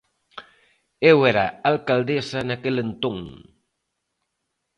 Eu era alcaldesa naquel entón.